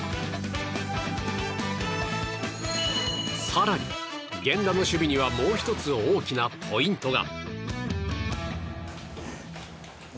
更に、源田の守備にはもう１つ大きなポイントが。